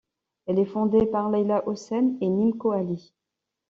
Elle est fondée par Leyla Hussein et Nimco Ali.